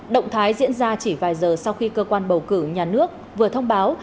động thái diễn ra chỉ vài giờ sau khi cơ quan bầu cử nhà nước vừa thông báo